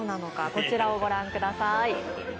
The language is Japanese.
こちらをご覧ください。